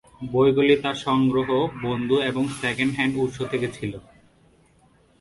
বইগুলি তার সংগ্রহ, বন্ধু এবং সেকেন্ড হ্যান্ড উৎস থেকে ছিল।